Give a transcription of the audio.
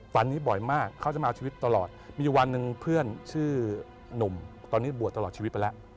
ฝันนี้บ่อยมากเขาจะมาเอาชีวิตตลอดมีอยู่วันหนึ่งเพื่อนชื่อหนุ่มตอนนี้บวชตลอดชีวิตไปแล้ว